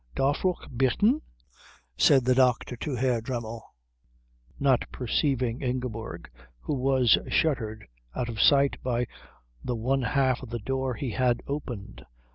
"Darf ich bitten?" said the doctor to Herr Dremmel, not perceiving Ingeborg, who was shuttered out of sight by the one half of the door he had opened.